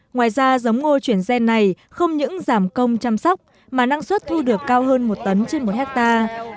ngoài ra giống ngô chuyển gen này không những giảm công chăm sóc mà năng suất thu được cao hơn một tấn trên một hectare